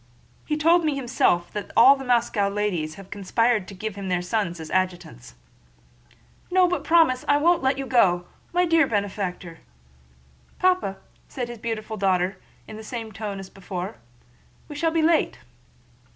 He told me himself that all the Moscow ladies have conspired to give him all their sons as adjutants." "No, but do promise! I won't let you go! My dear benefactor..." "Papa," said his beautiful daughter in the same tone as before, "we shall be late."